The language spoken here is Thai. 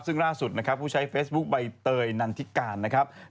ซึ่งร่าสุดผู้ใช้เฟสบุ๊คใบเต๋ยนานทิกการเป็นสาวเมืองน่าน